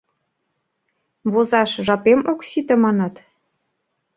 Возаш жапем ок сите, манат?